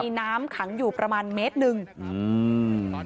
มีน้ำขังอยู่ประมาณเมตรหนึ่งอืม